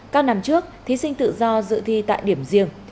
các năm trước thí sinh tự do dự thi tại điểm riêng